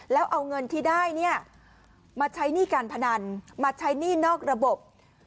แล้วเอาเงินที่ได้เนี่ยมาใช้หนี้การพนันมาใช้หนี้นอกระบบ